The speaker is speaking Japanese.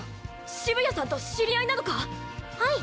あ澁谷さんと知り合いなのか⁉はい！